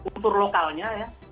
kultur lokalnya ya